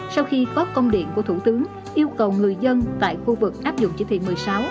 sau khi có công điện của thủ tướng yêu cầu người dân tại khu vực áp dụng chỉ thị một mươi sáu